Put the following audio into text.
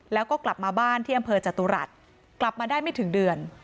แล้วก็กลับมาบ้านที่อำเภอจตุรัสกลับมาได้ไม่ถึงเดือน